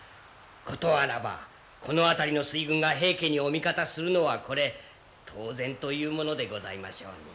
事あらばこの辺りの水軍が平家にお味方するのはこれ当然というものでございましょうに。